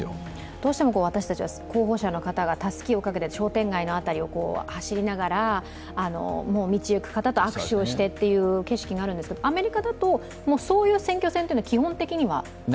どうしても私たちは、候補者の方がたすきをかけて商店街の辺りを走りながら道行く方と握手をしてという景色があるんですけど、アメリカだと、そういう選挙戦というのは基本的にはない。